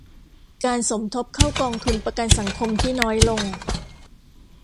การสมทบเข้ากองทุนประกันสังคมที่น้อยลง